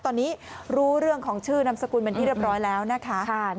ตอนนี้รู้เรื่องของชื่อนามสกุลเป็นที่เรียบร้อยแล้วนะคะ